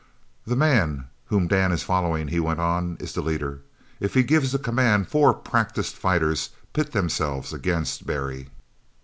"The man whom Dan is following," he went on, "is the leader. If he gives the command four practised fighters pit themselves against Barry."